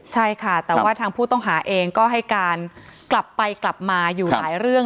ใช่ค่ะแต่ว่าทางผู้ต้องหาเองก็ให้การกลับไปกลับมาอยู่หลายเรื่อง